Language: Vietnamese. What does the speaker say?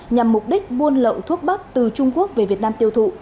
nhằm mục đích buôn lậu thuốc bắc từ trung quốc về việt nam tiêu thụ